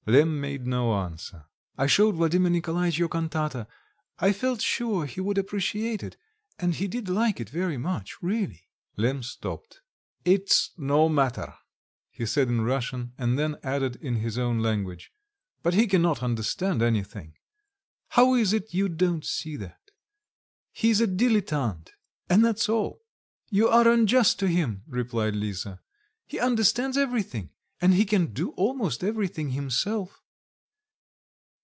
Lemm made no answer. "I showed Vladimir Nikolaitch your cantata; I felt sure he would appreciate it, and he did like it very much really." Lemm stopped. "It's no matter," he said in Russian, and then added in his own language, "but he cannot understand anything; how is it you don't see that? He's a dilettante and that's all!" "You are unjust to him," replied Lisa, "he understands everything, and he can do almost everything himself."